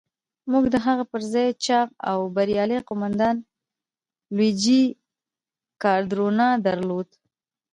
موږ د هغه پر ځای چاغ او بریالی قوماندان لويجي کادورنا درلود.